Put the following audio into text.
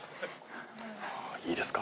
いいですか？